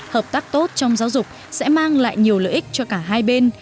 hợp tác tốt trong giáo dục sẽ mang lại nhiều lợi ích cho cả hai bên